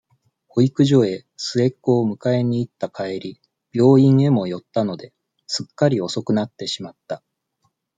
保育所へ、末っ子を迎えにいった帰り、病院へも寄ったので、すっかり遅くなってしまった。